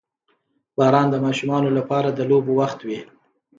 • باران د ماشومانو لپاره د لوبو وخت وي.